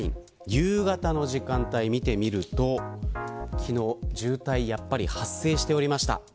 夕方の時間帯、見てみると昨日、渋滞やっぱり発生しておりました。